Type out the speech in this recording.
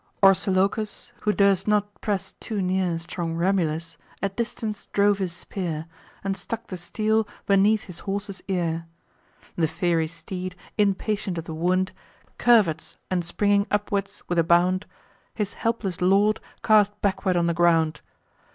Orsilochus, who durst not press too near Strong Remulus, at distance drove his spear, And stuck the steel beneath his horse's ear. The fiery steed, impatient of the wound, Curvets, and, springing upward with a bound, His helpless lord cast backward on the ground.